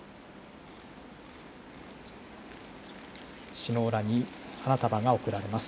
首脳らに花束がおくられます。